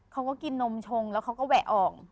เขาก็กินนมชงแล้วเขาก็แวะออก